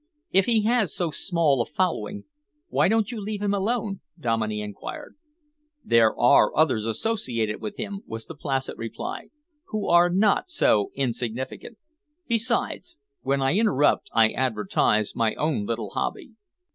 "If he has so small a following, why don't you leave him alone?" Dominey enquired. "There are others associated with him," was the placid reply, "who are not so insignificant. Besides, when I interrupt I advertise my own little hobby."